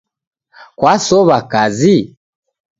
Kwasow'a kazi?